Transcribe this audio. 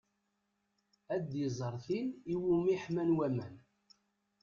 Ad iẓer tin iwumi ḥman waman.